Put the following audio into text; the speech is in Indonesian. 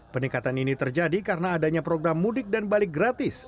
peningkatan ini terjadi karena adanya program mudik dan balik gratis